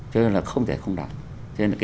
cho nên là không thể không đoàn